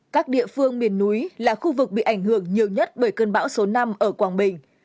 các địa phương miền núi là khu vực bị ảnh hưởng nhiều nhất bởi cơn bão số năm ở quảng bình